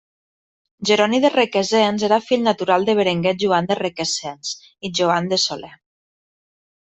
Jeroni de Requesens era fill natural de Berenguer Joan de Requesens i Joan de Soler.